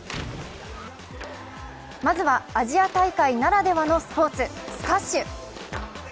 まずはアジア大会ならではのスポーツ、スカッシュ。